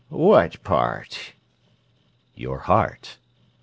"What part?" "Your heart."